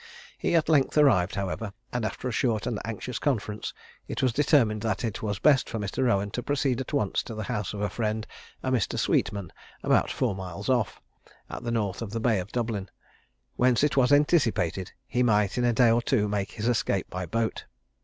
He at length arrived, however; and after a short and anxious conference, it was determined that it was best for Mr. Rowan to proceed at once to the house of a friend, a Mr. Sweetman, about four miles off, at the north of the Bay of Dublin, whence it was anticipated he might in a day or two make his escape by boat.